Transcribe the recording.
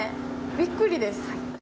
びっくりです。